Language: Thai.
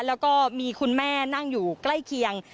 แล้วก็มีคุณแม่นั่งอยู่ใกล้เคียง